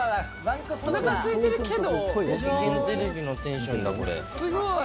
おなかすいてるけど。